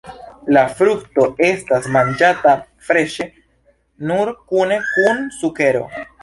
La frukto estas manĝata freŝe nur kune kun sukero.